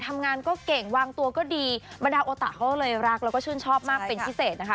ทำงานก็เก่งวางตัวก็ดีบรรดาโอตะเขาก็เลยรักแล้วก็ชื่นชอบมากเป็นพิเศษนะคะ